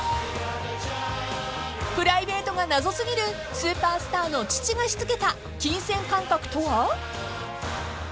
［プライベートが謎過ぎるスーパースターの父がしつけた金銭感覚とは？］